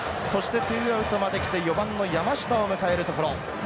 そしてツーアウトまできて４番の山下を迎えるところ。